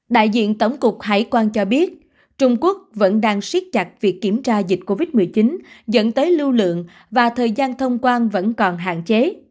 đại diện tổng cục hải quan cho biết trung quốc vẫn đang siết chặt việc kiểm tra dịch covid một mươi chín dẫn tới lưu lượng và thời gian thông quan vẫn còn hạn chế